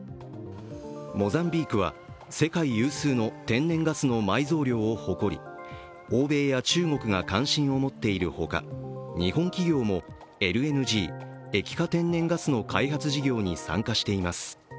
モザンビークは世界有数の天然ガスの埋蔵量を誇り、欧米や中国が関心を持っているほか、日本企業もＬＮＧ＝液化天然ガスの開発事業に参加しています。